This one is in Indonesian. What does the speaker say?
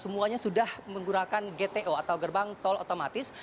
semuanya sudah menggunakan gto atau gerbang tol otomatis